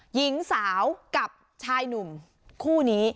หญิงสาวกับชายหนุ่มคู่นี้